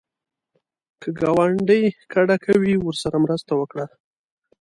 که ګاونډی کډه کوي، ورسره مرسته وکړه